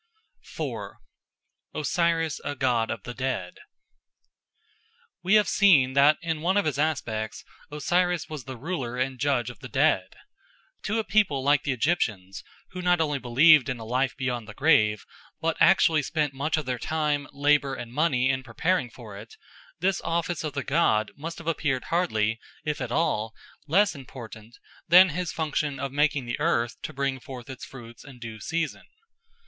4. Osiris a God of the Dead WE have seen that in one of his aspects Osiris was the ruler and judge of the dead. To a people like the Egyptians, who not only believed in a life beyond the grave but actually spent much of their time, labour, and money in preparing for it, this office of the god must have appeared hardly, if at all, less important than his function of making the earth to bring forth its fruits in due season.